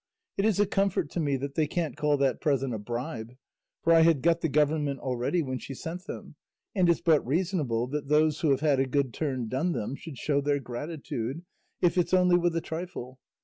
It is a comfort to me that they can't call that present a bribe; for I had got the government already when she sent them, and it's but reasonable that those who have had a good turn done them should show their gratitude, if it's only with a trifle.